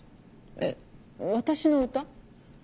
えっ私の歌？